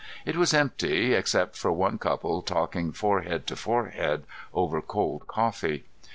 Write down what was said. It was empty except for one couple talking forehead to forehead over cold coffee.